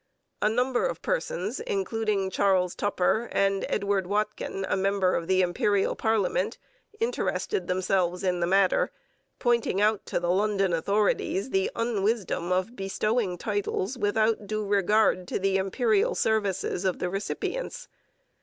A number of persons, including Charles Tupper and Edward Watkin, a member of the Imperial parliament, interested themselves in the matter, pointing out to the London authorities the unwisdom of bestowing titles without due regard to the Imperial services of the recipients.